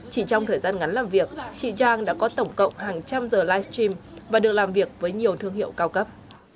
chỉ trong thời gian ngắn làm việc chị trang đã có tổng cộng hàng trăm giờ livestream và được làm việc với nhiều thương hiệu cao cấp